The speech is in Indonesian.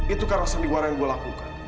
itu karena sandiwara yang gue lakukan